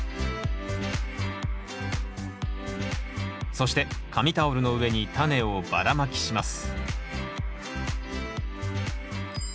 そして紙タオルの上にタネをばらまきします